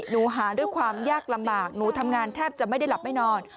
หนูหาด้วยความยากลำบากหนูทำงานแทบจะไม่ได้หลับไม่นอน